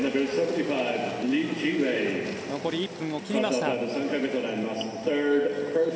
残り１分を切りました。